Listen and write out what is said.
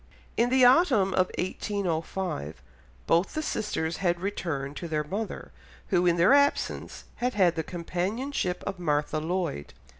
In the autumn of 1805 both the sisters had returned to their mother, who in their absence had had the companionship of Martha Lloyd.